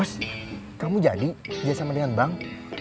cilak cilak cilak cilak